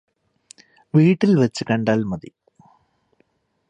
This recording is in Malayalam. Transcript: വീട്ടിൽവെച്ച് കണ്ടാൽ മതി